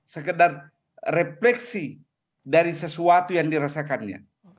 sekedar refleksi dari sesuatu yang dirasakannya